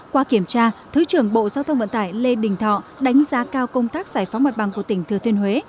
qua kiểm tra thứ trưởng bộ giao thông vận tải lê đình thọ đánh giá cao công tác giải phóng mặt bằng của tỉnh thừa thiên huế